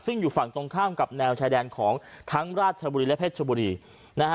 ซึ่งอยู่ฝั่งตรงข้ามกับแนวชายแดนของทั้งราชบุรีและเพชรชบุรีนะฮะ